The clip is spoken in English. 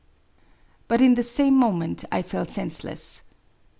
But in the same moment I fell senseless.